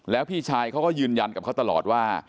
แล้วพี่ชายเขาก็ยืนยันกับเขาตลอดว่า